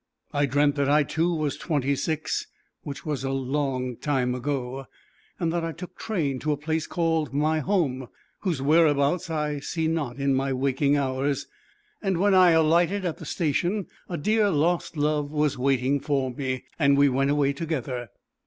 I dreamt that I too was twenty six, which was a long time ago, and that I took train to a place called my home, whose whereabouts I see not in my waking hours, and when I alighted at the station a dear lost love was waiting for me, and we went away together.